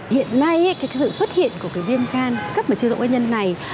hiện nay cái sự xuất hiện của cái viêm gan cấp mà chưa rõ nguyên nhân này